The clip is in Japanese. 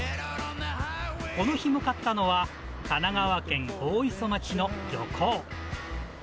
この日向かったのは、神奈川県大磯町の漁港。